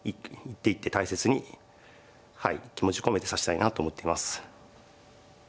一手大切にはい気持ち込めて指したいなと思っています。